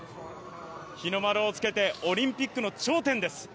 日の丸をつけてオリンピックの頂点です。